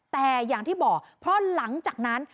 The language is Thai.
แต่อย่างที่บอกเพราะหลังจากนั้น